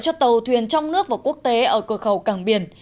cho tàu thuyền trong nước và quốc tế ở cửa khẩu cảng biển